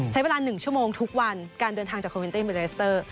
ใช้เวลา๑ชั่วโมงทุกวันการเดินทางจากคอมวินตี้มิเรสเตอร์